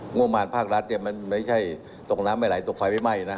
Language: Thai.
โง่มหวานภาครัฐมันไม่ใช่ตกน้ำไม่ไหลตกไฟไม่ไหมนะ